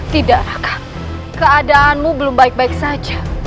tidak keadaanmu belum baik baik saja